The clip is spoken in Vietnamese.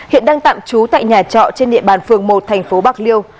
hiện đang tạm trú tại nhà trọ trên địa bàn phường một thành phố bạc liêu